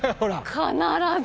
必ず？